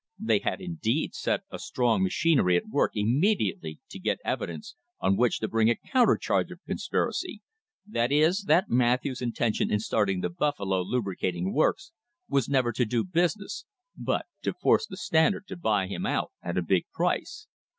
They had, indeed, set a strong machinery at work immediately to get evidence on which to bring a counter charge of conspiracy; that is, that Matthews's intention in starting the Buffalo Lubri cating Works was never to do business, but to force the Stand ard to buy him out at a big price.